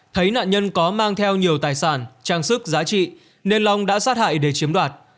thấy nạn nhân có mang theo nhiều tài sản trang sức giá trị nên long đã sát hại để chiếm đoạt